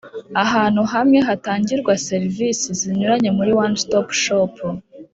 ahantu hamwe hatangirwa serivisi zinyuranye muri One Stop Shop